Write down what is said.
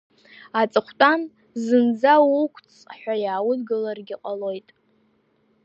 Аҵыхәтәан, зынӡа уқәҵ ҳәа иааудгыларгьы ҟалоит!